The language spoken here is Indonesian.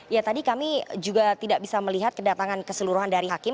ya tadi kami juga tidak bisa melihat kedatangan keseluruhan dari hakim